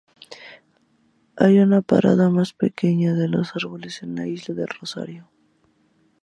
Hay una parada más pequeño de los árboles en la Isla del Rosario.